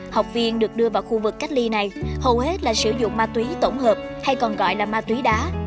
học viên được đưa vào khu vực cách ly này hầu hết là sử dụng ma túy tổng hợp hay còn gọi là ma túy đá